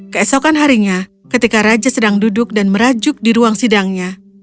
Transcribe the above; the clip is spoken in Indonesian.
keesokan harinya ketika raja sedang duduk dan merajuk di ruang sidangnya